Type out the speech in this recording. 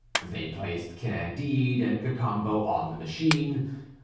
They placed Candide and Cacambo on the machine.